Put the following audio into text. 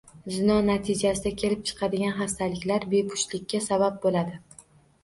Zino natijasida kelib chiqadigan xastaliklar bepushtlikka sabab bo‘ladi.